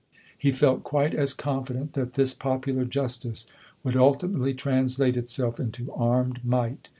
He felt quite as confident that this popular jus tice would ultimately translate itself into armed might.